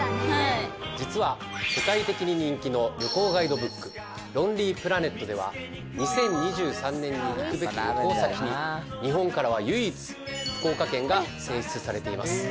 実は世界的に人気の旅行ガイドブック『ロンリープラネット』では２０２３年に行くべき旅行先に日本からは唯一福岡県が選出されています。